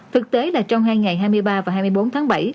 thực tế là trong hai ngày hai mươi ba và hai mươi bốn tháng bảy